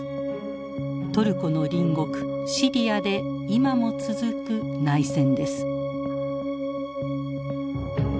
トルコの隣国シリアで今も続く内戦です。